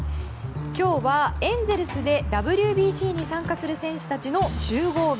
今日はエンゼルスでＷＢＣに参加する選手たちの集合日。